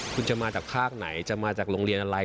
คุณจะมาจากภาคไหนจะมาจากโรงเรียนอะไร